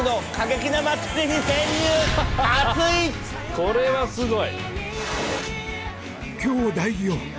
これはすごい！